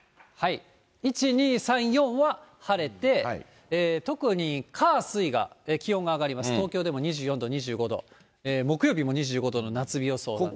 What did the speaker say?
１、２、３、４は晴れて、特に火、水が気温が上がります、東京でも２４度、２５度、木曜日も２５度の夏日予想になってます。